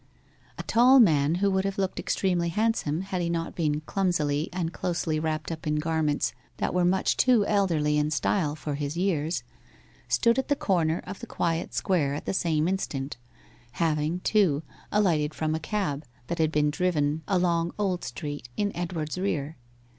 A tall man who would have looked extremely handsome had he not been clumsily and closely wrapped up in garments that were much too elderly in style for his years, stood at the corner of the quiet square at the same instant, having, too, alighted from a cab, that had been driven along Old Street in Edward's rear.